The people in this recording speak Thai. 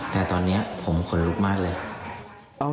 แต่ตอนนี้ผมขนลุกมากเลย